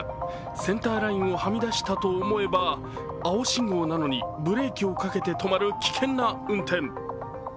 センターラインをはみ出したと思えば青信号なのにブレーキをかけて止まる危険な運転。